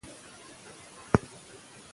شاعر په خپل کلام کې د عشق د بریالیتوب دعا کوي.